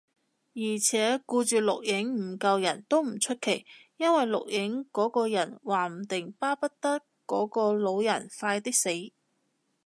而且，顧住錄影唔救人，都唔出奇，因為錄影嗰個人話唔定巴不得嗰個老人快啲死